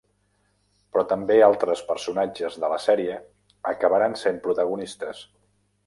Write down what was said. Però també altres personatges de la sèrie acabaran sent protagonistes.